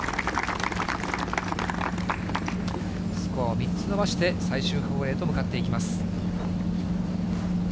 スコアを３つ伸ばして、最終ホールへと向かっていきます。